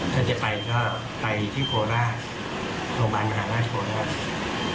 ถ้าจะไปก็ไปที่โคราชโรงพยาบาลมหาราชโคราช